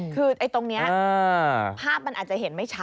คือตรงนี้ภาพมันอาจจะเห็นไม่ชัด